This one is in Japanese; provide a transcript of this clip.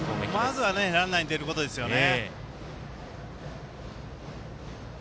まずはランナー出ることですよね。